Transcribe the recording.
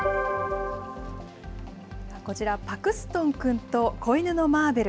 こちら、パクストン君と子犬のマーベル。